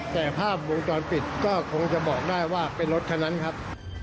แต่ภาพวงจรปิดก็คงจะบอกได้ว่าเป็นรถคันนั้นครับ